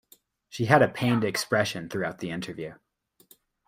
She had a pained expression throughout the interview.